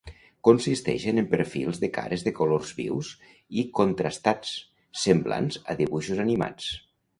Consisteixen en perfils de cares de colors vius i contrastats, semblants a dibuixos animats.